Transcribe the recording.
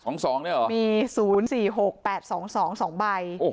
๒๒เนี่ยเหรอมี๐๔๖๘๒๒๒ใบ